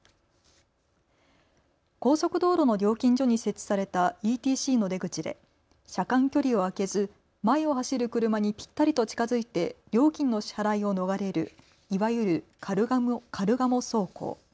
高速道路の料金所に設置されたＥＴＣの出口で車間距離を空けず前を走る車にぴったりと近づいて料金の支払いを逃れるいわゆるカルガモ走行。